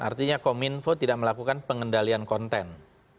artinya kominfo tidak melakukan pengendalian konten